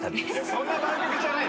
そんな番組じゃない。